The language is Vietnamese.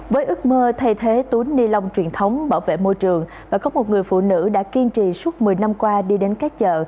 với ước mơ thay thế túi ni lông truyền thống bảo vệ môi trường và có một người phụ nữ đã kiên trì suốt một mươi năm qua đi đến các chợ